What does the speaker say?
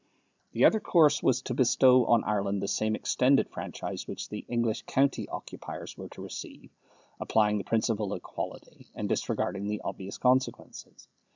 The other course was to bestow on Ireland the same extended franchise which the English county occupiers were to receive, applying the principle of equality, and disregarding the obvious consequences.